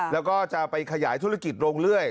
แล้วก็จะไปขยายธุรกิจลงเรื่อย